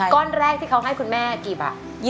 ก้อนแรกที่เขาให้คุณแม่กี่บาท